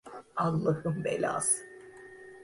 Allah'ın belası!